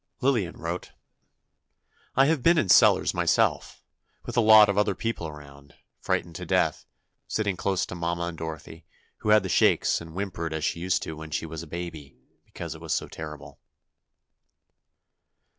Lillian wrote: I have been in cellars myself, with a lot of other people around, frightened to death, sitting close to Mama and Dorothy, who had the shakes and whimpered as she used to when she was a baby, because it was so terrible.